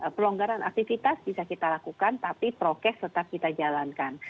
pelonggaran aktivitas bisa kita lakukan tapi prokes tetap kita jalankan